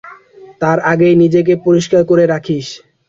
তার আগেই নিজেকে পরিষ্কার করে রাখিস।